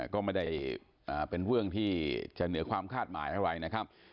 ก็ไม่ได้เป็นเรื่องที่จะเหนือความคาดหมายอะไรนะครับ